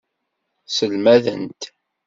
Sselmadent.